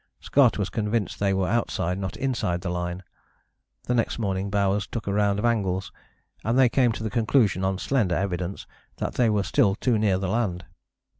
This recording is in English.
Scott was convinced they were outside, not inside the line. The next morning Bowers took a round of angles, and they came to the conclusion, on slender evidence, that they were still too near the land.